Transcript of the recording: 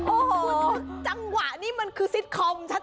โอ้โหจังหวะนี้มันคือซิตคอมชัด